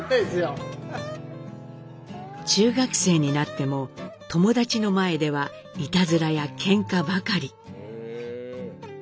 中学生になっても友達の前ではいたずらやけんかばかり。